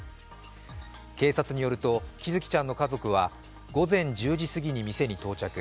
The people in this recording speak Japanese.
警察によると喜寿生ちゃんの家族は午前１０時過ぎに店に到着。